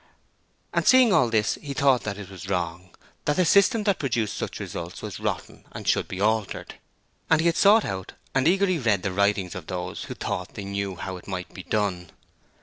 And seeing all this he thought that it was wrong, that the system that produced such results was rotten and should be altered. And he had sought out and eagerly read the writings of those who thought they knew how it might be done.